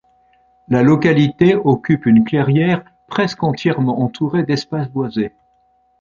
La localité occupe une clairière presque entièrement entourée d'espaces boisés.